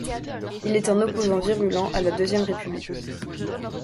Il est un opposant virulent à la Deuxième République.